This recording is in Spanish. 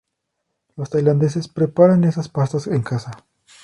Los tailandeses preparan estas pastas en casa.